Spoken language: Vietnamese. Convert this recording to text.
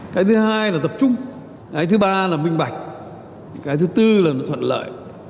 cái thứ hai là tập trung cái thứ ba là minh bạch cái thứ tư là nó thuận lợi